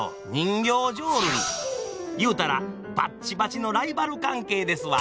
言うたらバッチバチのライバル関係ですわ。